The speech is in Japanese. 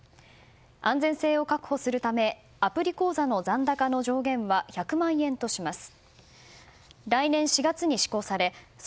安全性を確保するためアプリ口座の残高の上限は１００万円とします。